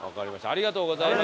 ありがとうございます。